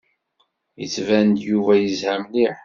Yettban-d Yuba yezha mliḥ.